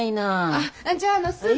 あっじゃあすぐに。